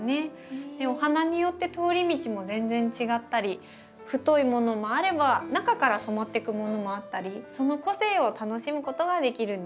お花によって通り道も全然違ったり太いものもあれば中から染まってくものもあったりその個性を楽しむことができるんです。